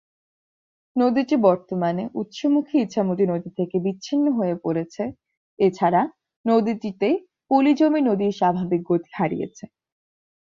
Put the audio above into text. নদীটি বর্তমানে উৎস মুখে ইছামতি নদী থেকে বিছিন্ন হয়ে পড়েছে এছাড়া নদীটিতে পলি জমে নদীর স্বাভাবিক গতি হারিয়েছে।